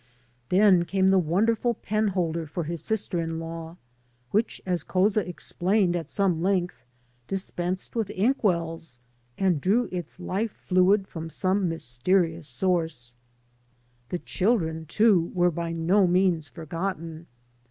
Then came the wonderful penholder for his sister in law, which, as Couza explained at some length, dispensed with ink wells and drew its life fluid from some mylfeterious source. The children, too, were by no means forgotten.